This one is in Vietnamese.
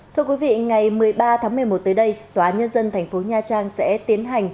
thưa quý vị ngày một mươi ba tháng một mươi một tới đây tòa nhân dân tp nha trang sẽ tiến hành